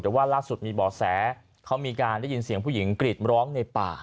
แต่ว่าล่าสุดมีบ่อแสเขามีการได้ยินเสียงผู้หญิงกรีดร้องในป่า